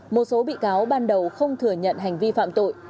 một số bị cáo ban đầu không thừa nhận hành vi phạm tội